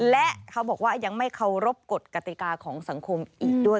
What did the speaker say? และเขาบอกว่ายังไม่เคารพกฎกติกาของสังคมอีกด้วย